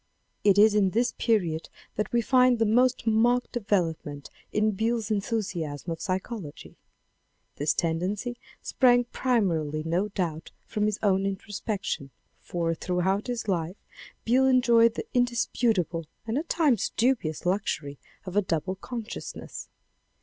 It is in this period that we find the most marked development in Beyle's enthusiasm of psy chology. This tendancy sprang primarily no doubt from his own introspection. For throughout his life Beyle enjoyed the indisputable and at times dubious luxury of a double consciousness.